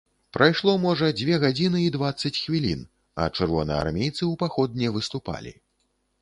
Прайшло, можа, дзве гадзіны і дваццаць хвілін, а чырвонаармейцы ў паход не выступалі.